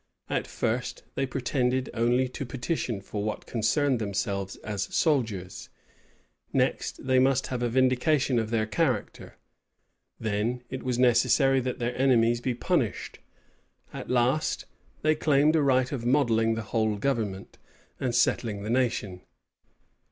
At first, they pretended only to petition for what concerned themselves as soldiers: next, they must have a vindication of their character: then, it was necessary that their enemies be punished:[*] at last, they claimed a right of modelling the whole government, and settling the nation.